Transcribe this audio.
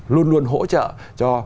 luôn luôn hỗ trợ cho